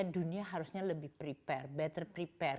dunia harusnya lebih prepare better prepare